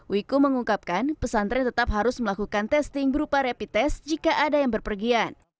wiku mengungkapkan pesantren tetap harus melakukan testing berupa rapid test jika ada yang berpergian